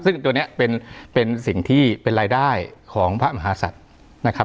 ซึ่งตัวนี้เป็นสิ่งที่เป็นรายได้ของพระมหาศัตริย์นะครับ